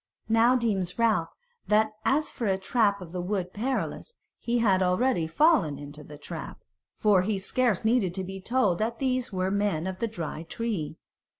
Now deems Ralph that as for a trap of the Wood Perilous, he had already fallen into the trap; for he scarce needed to be told that these were men of the Dry Tree.